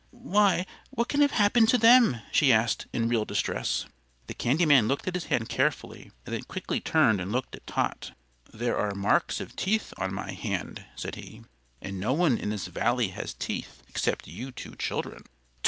"Why, what can have happened to them?" she asked, in real distress. The candy man looked at his hand carefully, and then quickly turned and looked at Tot. "There are marks of teeth on my hand," said he, "and no one in this Valley has teeth except you two children."